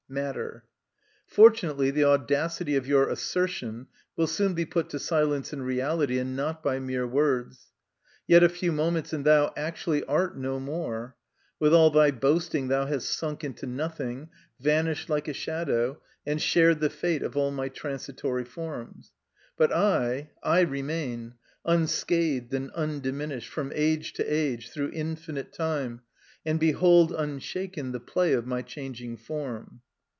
Matter. Fortunately the audacity of your assertion will soon be put to silence in reality and not by mere words. Yet a few moments and thou actually art no more. With all thy boasting thou hast sunk into nothing, vanished like a shadow, and shared the fate of all my transitory forms. But I, I remain, unscathed and undiminished, from age to age, through infinite time, and behold unshaken the play of my changing form.